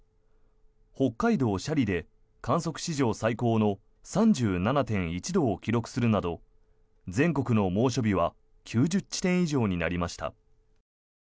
北海道斜里で観測史上最高の３７．１度を記録するなど全国の猛暑日は９０地点以上になりました。